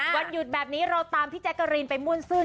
วันหยุดแบบนี้เราตามพี่แจ๊กกะรีนไปม่วนซื่น